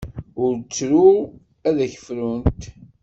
Ur ttru. Ad akk frunt.